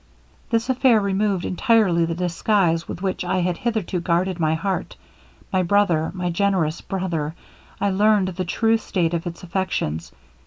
'This affair removed entirely the disguise with which I had hitherto guarded my heart; my brother my generous brother! learned the true state of its affections.